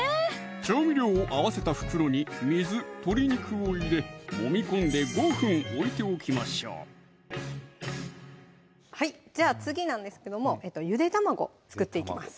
調味料を合わせた袋に水・鶏肉を入れもみ込んで５分おいておきましょうはいじゃあ次なんですけどもゆで卵作っていきます